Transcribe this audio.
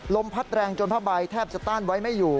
ลมพัดแรงจนผ้าใบแทบจะต้านไว้ไม่อยู่